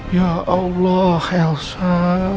ya allah elsa